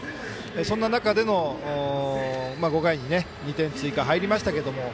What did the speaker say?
そんな中での５回に２点追加入りましたけど